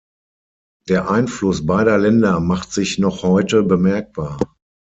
Der Einfluss beider Länder macht sich noch heute bemerkbar.